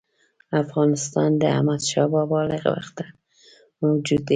افغانستان د احمدشاه بابا له وخته موجود دی.